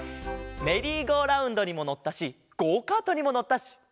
メリーゴーラウンドにものったしゴーカートにものったし。